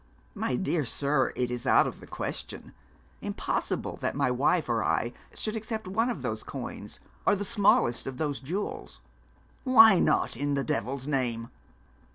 'My dear sir, it is out of the question impossible that my wife or I should accept one of those coins or the smallest of those jewels.' 'Why not, in the devil's name?'